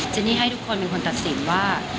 นี่ให้ทุกคนเป็นคนตัดสินว่า